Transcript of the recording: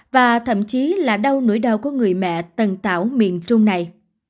và thậm chí là đau nỗi đau của người mẹ tần tảo miền trung này